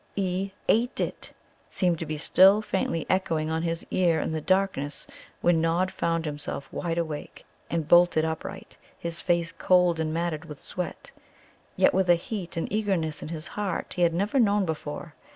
"E ... ate it," seemed to be still faintly echoing on his ear in the darkness when Nod found himself wide awake and bolt upright, his face cold and matted with sweat, yet with a heat and eagerness in his heart he had never known before.